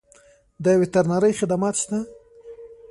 د وترنرۍ خدمات شته؟